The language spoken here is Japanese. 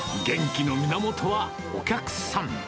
元気の源はお客さん。